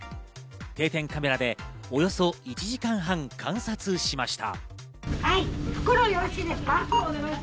定点カメラでおよそ１時間半、観察しました。